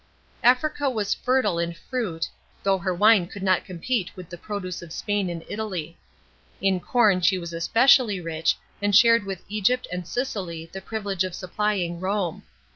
Africa was fertile in fruit,* though her wine could not compete with the produce of Spain and Italy. In corn she was especially rich and shared with Egypt and Sicily the privilege of supplying Rome.